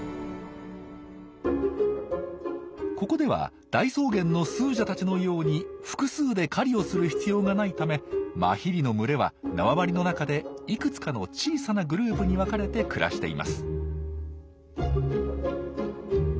ここでは大草原のスージャたちのように複数で狩りをする必要がないためマヒリの群れは縄張りの中でいくつかの小さなグループに分かれて暮らしています。